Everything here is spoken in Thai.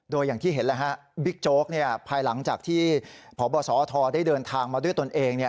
โดยอย่างที่เห็นแล้วฮะบิ๊กโจ๊กภายหลังจากที่พบสอทได้เดินทางมาด้วยตนเอง